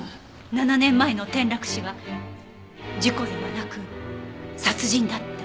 ７年前の転落死は事故ではなく殺人だった。